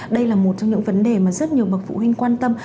đây là một trong những vấn đề mà rất nhiều bậc phụ huynh quan tâm